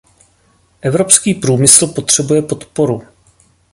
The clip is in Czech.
Evropský průmysl potřebuje podporu.